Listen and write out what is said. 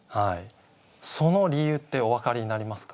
その理由ってお分かりになりますか？